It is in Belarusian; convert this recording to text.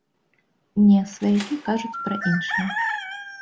Не, сваякі кажуць пра іншае.